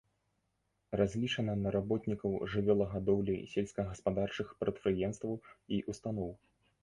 Разлічана на работнікаў жывёлагадоўлі сельскагаспадарчых прадпрыемстваў і устаноў.